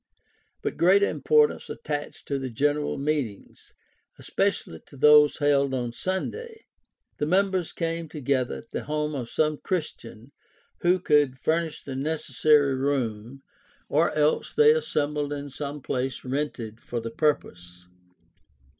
But greater importance attached to the general meetings, especially to those held on Sunday. The members came together at the home of some Christian who could furnish the necessary room, or else they assembled in some place rented for the purpose.